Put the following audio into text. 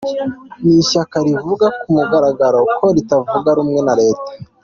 Ni ishyaka rivuga ku mugaragaro ko ritavuga rumwe na Leta.